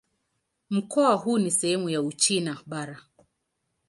Mkoa huu ni sehemu ya Uchina Bara.